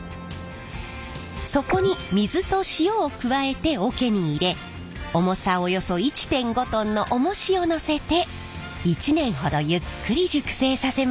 そこに水と塩を加えて桶に入れ重さおよそ１．５トンのおもしを載せて１年ほどゆっくり熟成させます。